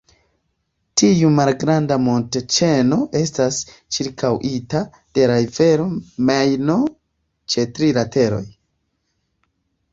Tiu malgranda montoĉeno estas ĉirkaŭita de la rivero Majno ĉe tri lateroj.